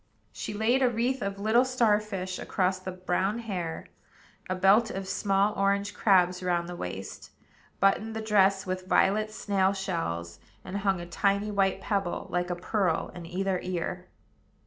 She laid a wreath of little star fish across the brown hair, a belt of small orange crabs round the waist, buttoned the dress with violet snail shells, and hung a tiny white pebble, like a pearl, in either ear.